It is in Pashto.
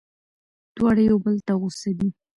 دواړه یو بل ته غوسه دي.